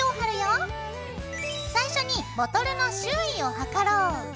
最初にボトルの周囲を測ろう。